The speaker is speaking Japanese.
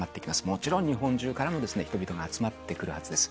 もちろん日本中からも人々が集まってくるはずです。